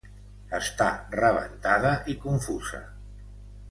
Està rebentada i confusa.